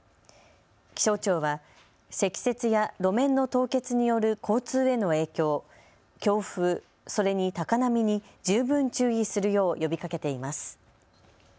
気象庁は積雪や路面の凍結による交通への影響、強風、それに高波に十分注意するよう呼びかけています。